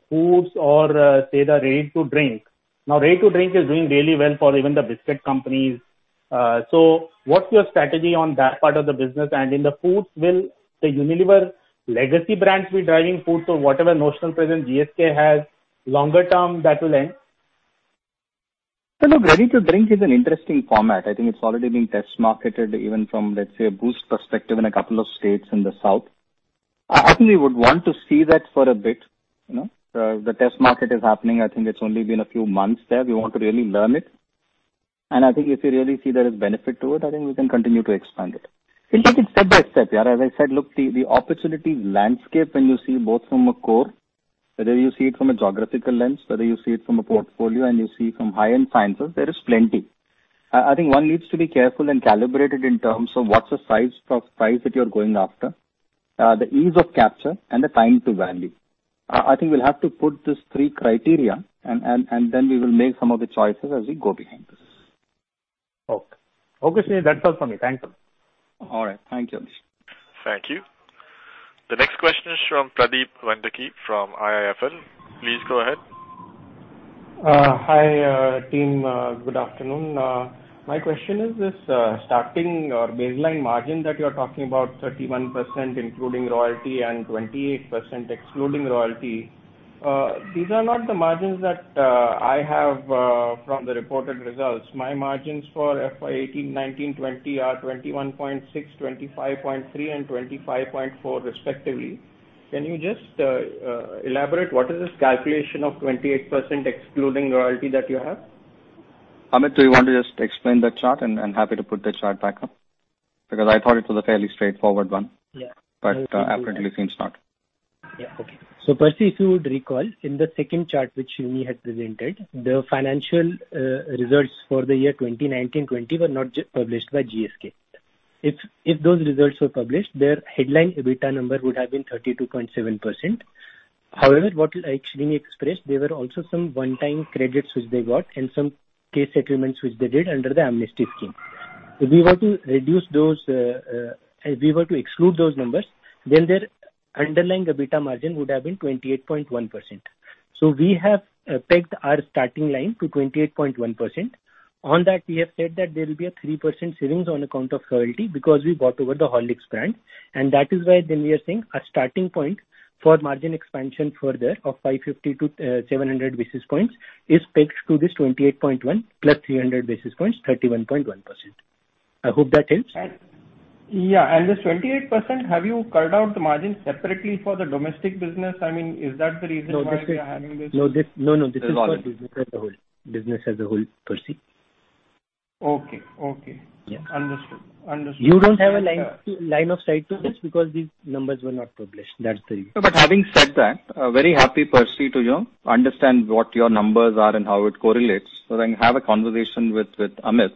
foods or say the ready-to-drink. Now, ready-to-drink is doing really well for even the biscuit companies. So what's your strategy on that part of the business? And in the foods, will the Unilever legacy brands be driving foods or whatever notional presence GSK has longer term that will end? Look, ready-to-drink is an interesting format. I think it's already been test marketed even from, let's say, a Boost perspective in a couple of states in the South. I think we would want to see that for a bit. The test market is happening. I think it's only been a few months there. We want to really learn it. And I think if you really see there is benefit to it, I think we can continue to expand it. You can take it step by step, yeah. As I said, look, the opportunity landscape, when you see both from a core, whether you see it from a geographical lens, whether you see it from a portfolio, and you see from high-end sciences, there is plenty. I think one needs to be careful and calibrated in terms of what's the size of price that you're going after, the ease of capture, and the time to value. I think we'll have to put these three criteria, and then we will make some of the choices as we go behind this. Okay. Okay, Srini. That's all for me. Thank you. All right. Thank you, Abneesh. Thank you. The next question is from Percy Panthaki from IIFL. Please go ahead. Hi, team. Good afternoon. My question is this: starting or baseline margin that you're talking about, 31% including royalty and 28% excluding royalty, these are not the margins that I have from the reported results. My margins for FY 2018, 2019, 2020 are 21.6%, 25.3%, and 25.4%, respectively. Can you just elaborate what is this calculation of 28% excluding royalty that you have? Amit, do you want to just explain the chart? I'm happy to put the chart back up because I thought it was a fairly straightforward one, but apparently it seems not. Yeah. Okay. So Percy, if you would recall, in the second chart which Srini had presented, the financial results for the year 2019-2020 were not published by GSK. If those results were published, their headline EBITDA number would have been 32.7%. However, what Srini expressed, there were also some one-time credits which they got and some case settlements which they did under the Amnesty Scheme. If we were to reduce those, if we were to exclude those numbers, then their underlying EBITDA margin would have been 28.1%. So we have pegged our starting line to 28.1%. On that, we have said that there will be a 3% savings on account of royalty because we bought over the Horlicks brand. And that is why then we are saying our starting point for margin expansion further of 550-700 basis points is pegged to this 28.1%+ 300 basis points, 31.1%. I hope that helps. Yeah. And this 28%, have you carved out the margin separately for the domestic business? I mean, is that the reason why you're having this? No, no, no. This is for business as a whole. Business as a whole, Percy. Okay. Okay. Understood. Understood. You don't have a line of sight to this because these numbers were not published. That's the reason. But having said that, very happy, Percy, to understand what your numbers are and how it correlates. So then have a conversation with Amit.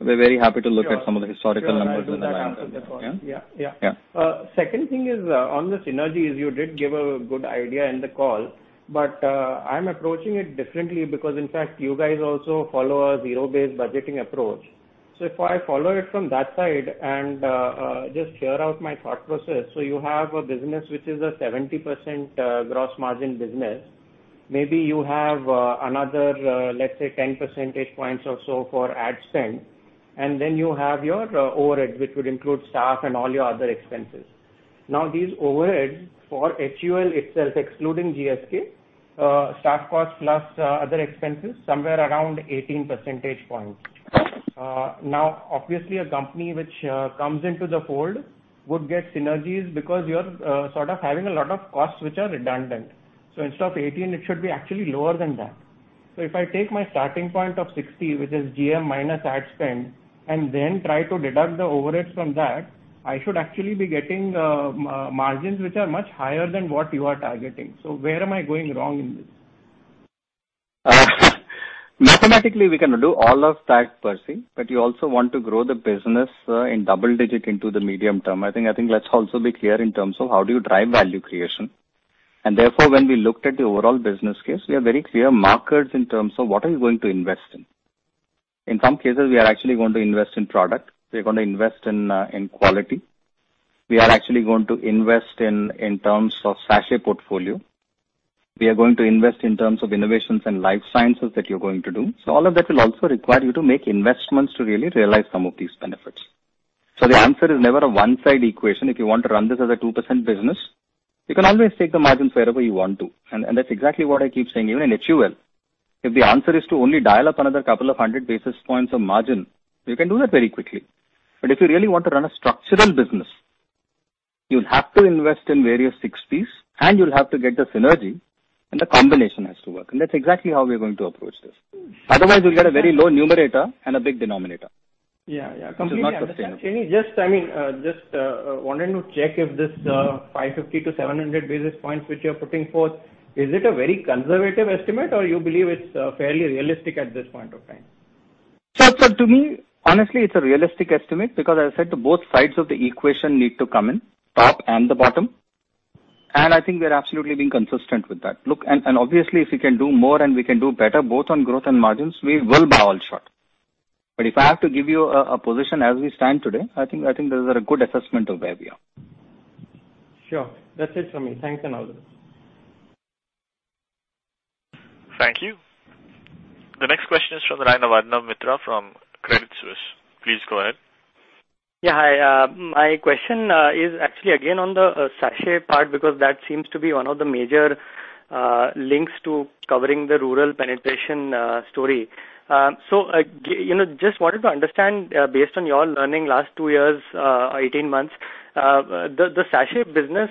We're very happy to look at some of the historical numbers in the line of sight. Yeah. Yeah. Yeah. Second thing is on the synergy. You did give a good idea in the call, but I'm approaching it differently because, in fact, you guys also follow a zero-based budgeting approach. So if I follow it from that side and just share out my thought process, so you have a business which is a 70% gross margin business. Maye you have another, let's say, 10 percentage points or so for ad spend, and then you have your overhead, which would include staff and all your other expenses. Now, these overheads for HUL itself, excluding GSK, staff costs plus other expenses, somewhere around 18 percentage points. Now, obviously, a company which comes into the fold would get synergies because you're sort of having a lot of costs which are redundant. So instead of 18, it should be actually lower than that. So if I take my starting point of 60, which is GM minus ad spend, and then try to deduct the overheads from that, I should actually be getting margins which are much higher than what you are targeting. So where am I going wrong in this? Mathematically, we can do all of that, Percy, but you also want to grow the business in double digits in the medium term. I think let's also be clear in terms of how do you drive value creation. And therefore, when we looked at the overall business case, we have very clear markers in terms of what are you going to invest in. In some cases, we are actually going to invest in product. We are going to invest in quality. We are actually going to invest in terms of sachet portfolio. We are going to invest in terms of innovations and life sciences that you're going to do. So all of that will also require you to make investments to really realize some of these benefits. So the answer is never a one-sided equation. If you want to run this as a 2% business, you can always take the margins wherever you want to. And that's exactly what I keep saying even in HUL. If the answer is to only dial up another couple of hundred basis points of margin, you can do that very quickly. But if you really want to run a structural business, you'll have to invest in various silos, and you'll have to get the synergy, and the combination has to work. And that's exactly how we're going to approach this. Otherwise, you'll get a very low numerator and a big denominator. Yeah. Yeah. Completely understandable. Srini, I mean, just wanting to check if this 550-700 basis points which you're putting forth, is it a very conservative estimate, or you believe it's fairly realistic at this point of time? So to me, honestly, it's a realistic estimate because I said both sides of the equation need to come in, top and the bottom. And I think we are absolutely being consistent with that. Look, and obviously, if we can do more and we can do better, both on growth and margins, we will go all out. But if I have to give you a position as we stand today, I think there is a good assessment of where we are. Sure. That's it from me. Thanks and all the best. Thank you. The next question is from the line of Arnab Mitra from Credit Suisse. Please go ahead. Yeah. Hi. My question is actually again on the sachet part because that seems to be one of the major links to covering the rural penetration story. So just wanted to understand, based on your learning last two years, 18 months, the sachet business,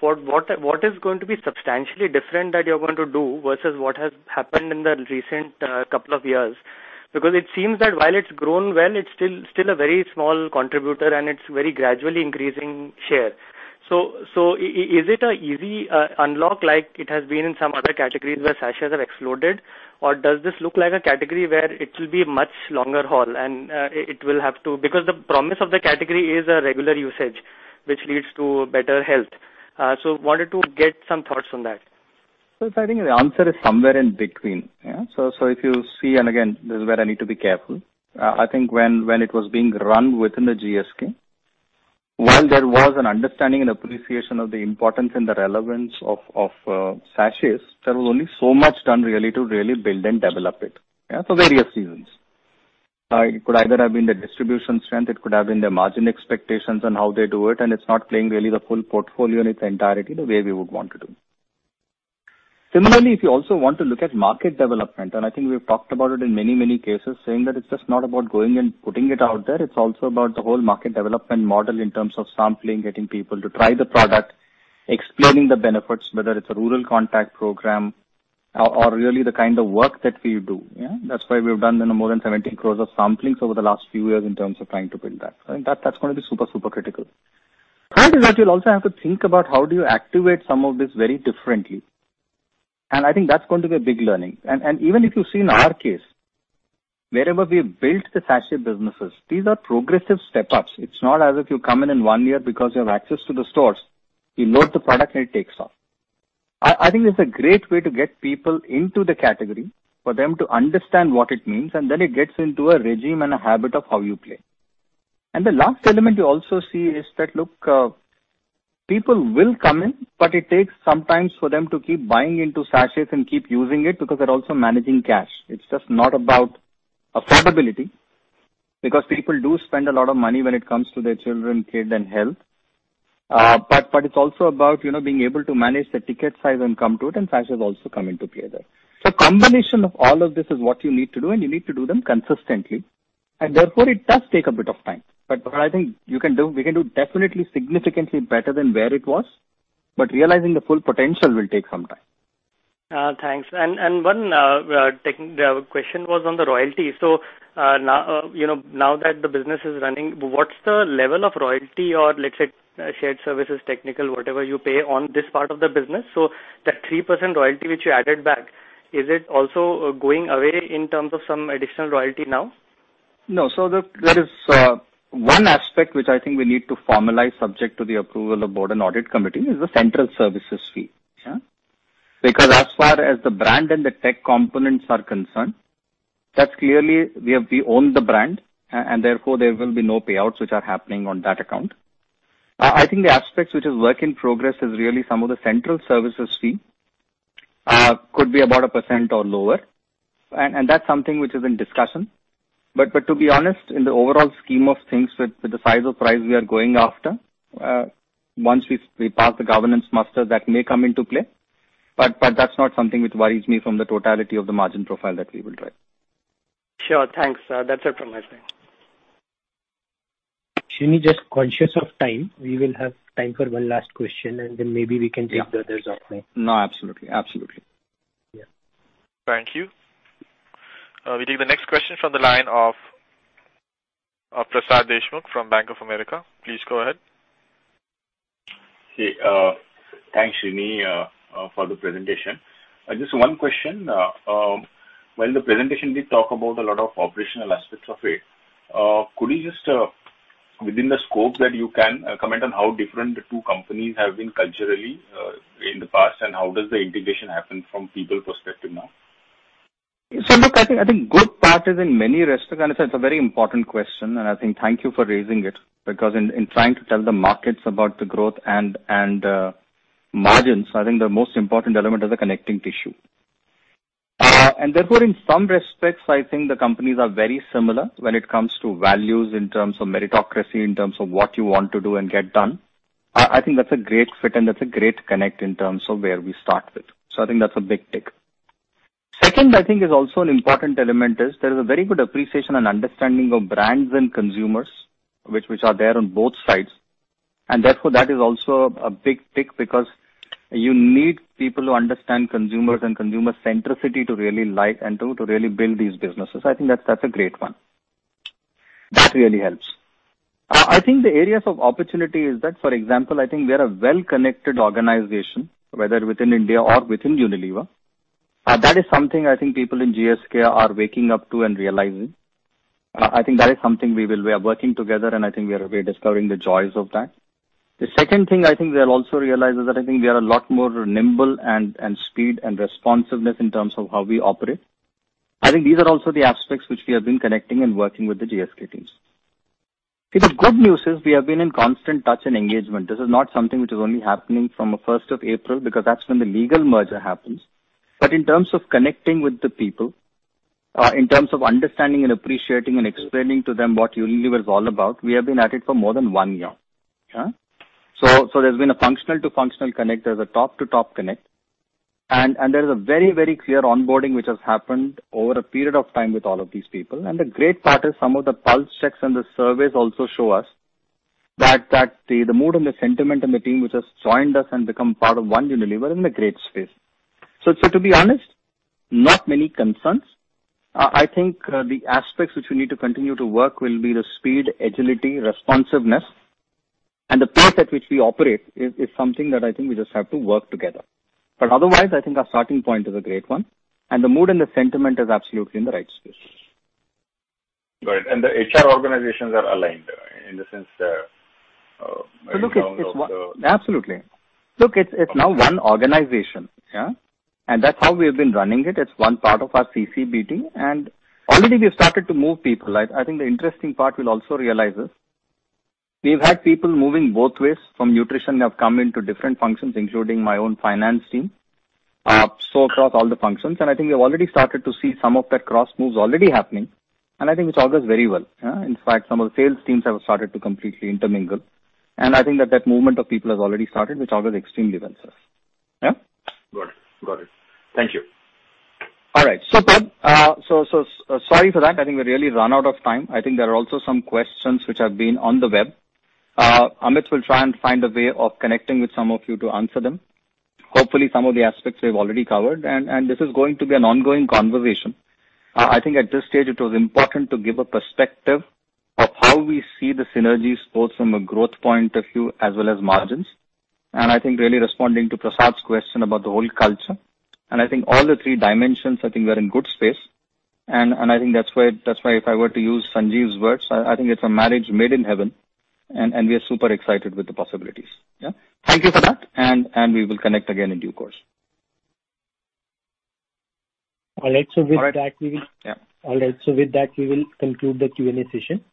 what is going to be substantially different that you're going to do versus what has happened in the recent couple of years? Because it seems that while it's grown well, it's still a very small contributor, and it's very gradually increasing share. So is it an easy unlock like it has been in some other categories where sachets have exploded, or does this look like a category where it will be a much longer haul and it will have to because the promise of the category is regular usage, which leads to better health? So wanted to get some thoughts on that. So I think the answer is somewhere in between. Yeah? So if you see, and again, this is where I need to be careful. I think when it was being run within the GSK, while there was an understanding and appreciation of the importance and the relevance of sachets, there was only so much done really to really build and develop it. Yeah? For various reasons. It could either have been the distribution strength, it could have been the margin expectations and how they do it, and it's not playing really the full portfolio in its entirety the way we would want to do. Similarly, if you also want to look at market development, and I think we've talked about it in many, many cases, saying that it's just not about going and putting it out there. It's also about the whole market development model in terms of sampling, getting people to try the product, explaining the benefits, whether it's a rural contact program or really the kind of work that we do. Yeah? That's why we've done more than 17 crore of samplings over the last few years in terms of trying to build that. I think that's going to be super, super critical, and in that, you'll also have to think about how do you activate some of this very differently, and I think that's going to be a big learning, and even if you see in our case, wherever we have built the Sachet businesses, these are progressive step-ups. It's not as if you come in in one year because you have access to the stores, you load the product, and it takes off. I think it's a great way to get people into the category for them to understand what it means, and then it gets into a regime and a habit of how you play. And the last element you also see is that, look, people will come in, but it takes sometimes for them to keep buying into sachets and keep using it because they're also managing cash. It's just not about affordability because people do spend a lot of money when it comes to their children, kids, and health. But it's also about being able to manage the ticket size and come to it, and sachets also come into play there. So a combination of all of this is what you need to do, and you need to do them consistently. And therefore, it does take a bit of time. But I think we can do definitely significantly better than where it was, but realizing the full potential will take some time. Thanks. And one question was on the royalty. So now that the business is running, what's the level of royalty or, let's say, shared services, technical, whatever you pay on this part of the business? So that 3% royalty which you added back, is it also going away in terms of some additional royalty now? No. So look, there is one aspect which I think we need to formalize, subject to the approval of the Board and Audit Committee, is the central services fee. Yeah? Because as far as the brand and the tech components are concerned, that's clearly we own the brand, and therefore, there will be no payouts which are happening on that account. I think the aspects which are work in progress is really some of the central services fee could be about 1% or lower. And that's something which is in discussion. But to be honest, in the overall scheme of things, with the size of price we are going after, once we pass the governance muster, that may come into play. But that's not something which worries me from the totality of the margin profile that we will drive. Sure. Thanks. That's it from my side. Srini, conscious of time, we will have time for one last question, and then maybe we can take the others offline. No, absolutely. Absolutely. Yeah. Thank you. We take the next question from the line of Prasad Deshmukh from Bank of America. Please go ahead. Thanks, Srini, for the presentation. Just one question. When the presentation did talk about a lot of operational aspects of it, could you just, within the scope that you can, comment on how different the two companies have been culturally in the past, and how does the integration happen from people's perspective now? So look, I think good part is in many respects. And it's a very important question, and I thank you for raising it because in trying to tell the markets about the growth and margins, I think the most important element is the connecting tissue. And therefore, in some respects, I think the companies are very similar when it comes to values in terms of meritocracy, in terms of what you want to do and get done. I think that's a great fit, and that's a great connect in terms of where we start with. So I think that's a big tick. Second, I think, is also an important element. There is a very good appreciation and understanding of brands and consumers which are there on both sides. And therefore, that is also a big tick because you need people to understand consumers and consumer centricity to really like and to really build these businesses. I think that's a great one. That really helps. I think the areas of opportunity is that, for example, I think we are a well-connected organization, whether within India or within Unilever. That is something I think people in GSK are waking up to and realizing. I think that is something we are working together, and I think we are rediscovering the joys of that. The second thing I think they'll also realize is that I think we are a lot more nimble and speed and responsiveness in terms of how we operate. I think these are also the aspects which we have been connecting and working with the GSK teams. The good news is we have been in constant touch and engagement. This is not something which is only happening from 1 April because that's when the legal merger happens. But in terms of connecting with the people, in terms of understanding and appreciating and explaining to them what Unilever is all about, we have been at it for more than one year. Yeah? So there's been a functional-to-functional connect. There's a top-to-top connect. And there's a very, very clear onboarding which has happened over a period of time with all of these people. The great part is some of the pulse checks and the surveys also show us that the mood and the sentiment in the team which has joined us and become part of one Unilever is in a great space. So to be honest, not many concerns. I think the aspects which we need to continue to work will be the speed, agility, responsiveness, and the pace at which we operate is something that I think we just have to work together. But otherwise, I think our starting point is a great one. And the mood and the sentiment is absolutely in the right space. Got it. And the HR organizations are aligned in the sense that it's one. Absolutely. Look, it's now one organization. Yeah? And that's how we have been running it. It's one part of our CCBT. And already, we've started to move people. I think the interesting part we'll also realize is we've had people moving both ways from nutrition have come into different functions, including my own finance team. So across all the functions. And I think we've already started to see some of that cross moves already happening. And I think it's all goes very well. Yeah? In fact, some of the sales teams have started to completely intermingle. And I think that that movement of people has already started, which all goes extremely well for us. Yeah? Got it. Got it. Thank you. All right. Superb. So sorry for that. I think we're really run out of time. I think there are also some questions which have been on the web. Amit will try and find a way of connecting with some of you to answer them. Hopefully, some of the aspects we've already covered. This is going to be an ongoing conversation. I think at this stage, it was important to give a perspective of how we see the synergies both from a growth point of view as well as margins. I think really responding to Prasad's question about the whole culture. I think all the three dimensions, I think we're in good space. I think that's why if I were to use Sanjiv's words, I think it's a marriage made in heaven, and we are super excited with the possibilities. Yeah? Thank you for that. We will connect again in due course. All right. So with that, we will conclude the Q&A session.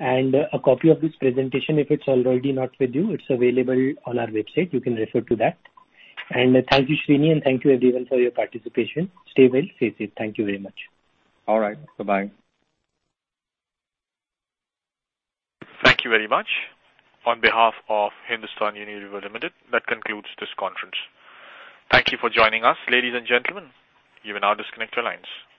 A copy of this presentation, if it's already not with you, is available on our website. You can refer to that. And thank you, Srini, and thank you everyone for your participation. Stay well. Stay safe. Thank you very much. All right. Bye-bye. Thank you very much. On behalf of Hindustan Unilever Limited, that concludes this conference. Thank you for joining us, ladies and gentlemen. You may now disconnect your lines.